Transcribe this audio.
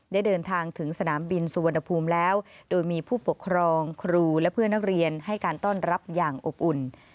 ได้เดินทางถึงสนามบินสุวรรณภูมิแล้วโดยมีผู้ปกครองครูและเพื่อนนักเรียนให้การต้อนรับอย่างอบอุ่น